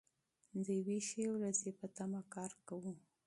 د یوې ښې ورځې په تمه کار کوو.